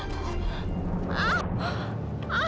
saya tidak pandai